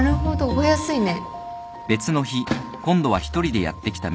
覚えやすいね。